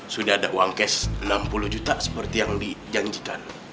sudah ada uang cash enam puluh juta seperti yang dijanjikan